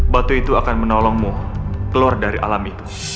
batu itu akan menolongmu keluar dari alam itu